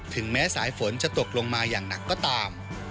แม้สายฝนจะตกลงมาอย่างหนักก็ตาม